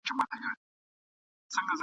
په تور خلوت کي له هانه ګوښه ..